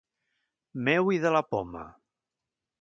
Meu i de la poma.